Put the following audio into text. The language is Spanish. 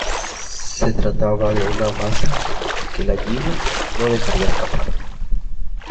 Se trataba de una baza que la Lliga no dejaría escapar.